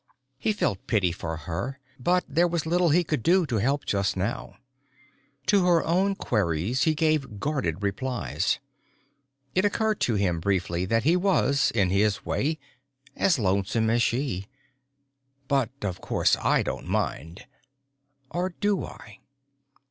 He felt pity for her but there was little he could do to help just now. To her own queries he gave guarded replies. It occurred to him briefly that he was, in his way, as lonesome as she. _But of course I don't mind or do I?